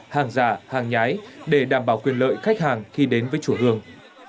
hàng giả hàng nhái để đảm bảo quyền lợi khách hàng khi đến với chùa hương